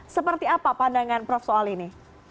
seperti apa pandangan prof soal ini